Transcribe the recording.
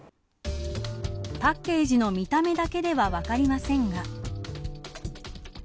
パッケージの見た目だけでは分かりませんが。